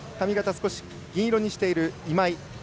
少し銀色にしている今井。